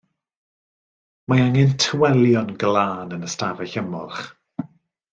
Mae angen tywelion glân yn y stafell ymolch.